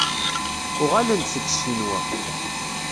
Uɣalen-d seg Ccinwa.